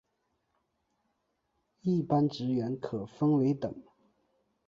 一般职员可分为等。